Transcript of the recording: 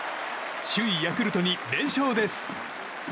首位ヤクルトに連勝です。